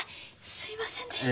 すいませんでした。